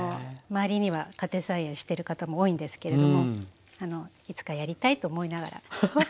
周りには家庭菜園してる方も多いんですけれどもいつかやりたいと思いながら。